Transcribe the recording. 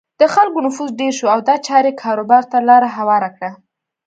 د خلکو نفوس ډېر شو او دا چارې کاروبار ته لاره هواره کړه.